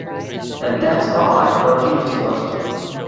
And that's all I continue to want to do.